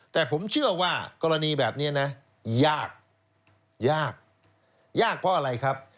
แต่ผมเชื่อว่ากรณีแบบนี้นะยากยากยากเพราะอะไรครับ